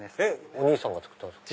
お兄さんが作ったんですか？